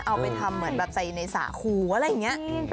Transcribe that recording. เอาไปทำเหมือนแบบใส่ในสาคูอะไรอย่างนี้